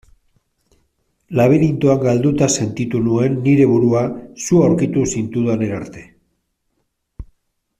Labirintoan galduta sentitu nuen nire burua zu aurkitu zintudanera arte.